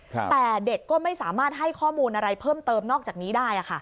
แต่เด็กก็ไม่สามารถให้ข้อมูลอะไรเพิ่มเติมนอกจากนี้ได้